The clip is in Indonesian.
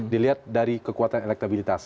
dilihat dari kekuatan elektabilitas